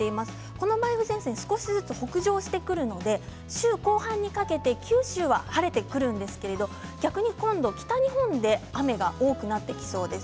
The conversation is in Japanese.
この前線、北上してきますので週後半にかけて九州は晴れてくるんですけれど逆に今度、北日本で雨が多くなってきそうです。